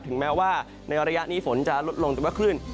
แม้ว่าในระยะนี้ฝนจะลดลงแต่ว่าคลื่น